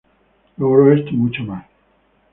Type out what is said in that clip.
Logró esto y mucho más.